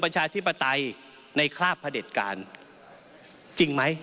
จริงไหม